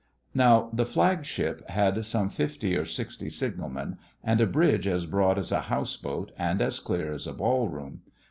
Now the Flagship had some fifty or sixty signalmen, and a bridge as broad as a houseboat and as clear as a ball room.